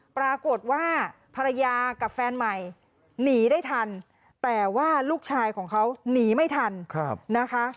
ปรากฏว่าภรรยากับแฟนใหม่หนีได้ทันแต่ว่าลูกชายของเขาหนีไม่ทันนะคะ